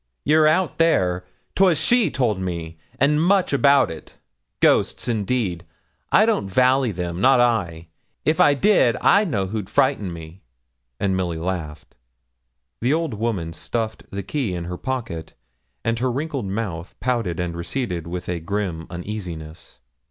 'You're out there: 'twas she told me; and much about it. Ghosts, indeed! I don't vally them, not I; if I did, I know who'd frighten me,' and Milly laughed. The old woman stuffed the key in her pocket, and her wrinkled mouth pouted and receded with a grim uneasiness.